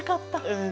うん。